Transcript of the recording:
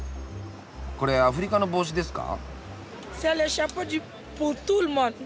これアフリカの帽子ですか？